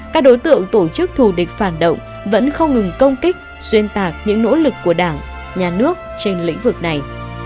các đối tượng tổ chức thù địch phản động vẫn không ngừng công kích xuyên tạc những nỗ lực của đảng nhà nước trên lĩnh vực này